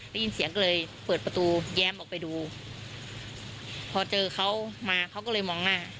ได้ยินเสียงก็เลยเปิดประตูแย้มออกไปดูพอเจอเขามาเขาก็เลยมองหน้า